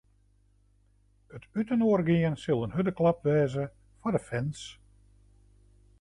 It útinoargean sil in hurde klap wêze foar de fans.